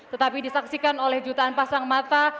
tetapi disaksikan oleh jutaan pasang mata